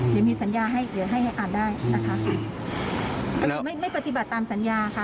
เดี๋ยวมีสัญญาให้อ่านได้นะคะแล้วไม่ปฏิบัติตามสัญญาค่ะ